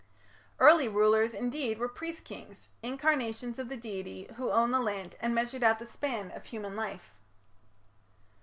Early rulers, indeed, were priest kings incarnations of the deity who owned the land and measured out the span of human life.